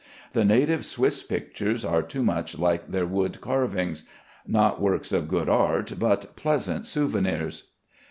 The native Swiss pictures are too much like their wood carvings, not works of good art but pleasant souvenirs.